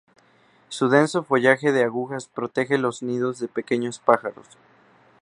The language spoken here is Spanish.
Su denso follaje de agujas protege los nidos de pequeños pájaros.